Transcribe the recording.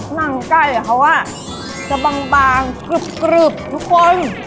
หนังไก่เขาอ่ะจะบางบางกรึบกรึบทุกคน